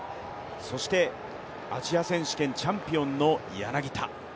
そしてアジア選手権チャンピオンの柳田。